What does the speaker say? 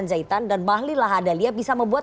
dan zaitan dan bahlilahadaliah bisa membuat